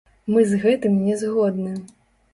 Мы з гэтым не згодны.